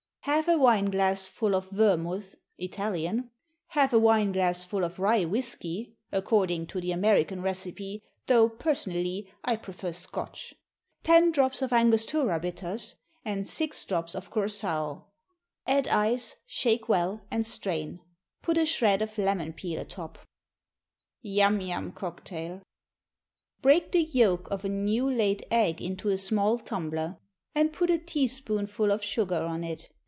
_ Half a wine glassful of vermouth (Italian), half a wine glassful of rye whisky (according to the American recipe, though, personally, I prefer Scotch), ten drops of Angostura bitters, and six drops of curaçoa. Add ice, shake well, and strain. Put a shred of lemon peel atop. Yum Yum Cocktail. Break the yolk of a new laid egg into a small tumbler, and put a teaspoonful of sugar on it.